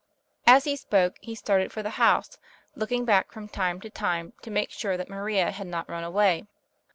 As he spoke, he started for the house, looking back from time to time to make sure that Maria had not run away.